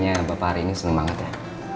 kayanya bapak hari ini seneng banget ya